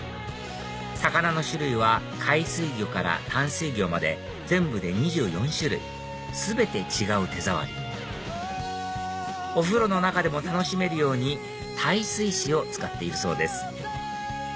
魚の種類は海水魚から淡水魚まで全部で２４種類全て違う手触りお風呂の中でも楽しめるように耐水紙を使っているそうです